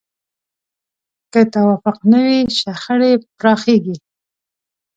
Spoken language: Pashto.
که توافق نه وي، شخړې پراخېږي.